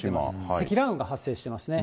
積乱雲が発生してますね。